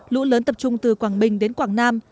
lũ lớn tập trung từ quảng bình đến quảng nam